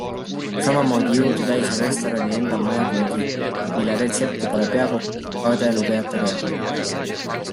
Samamoodi jõudu täis on restorani enda majaglögi, mille retsepti pole peakokk kade lugejatega jagama.